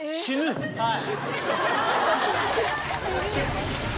はい。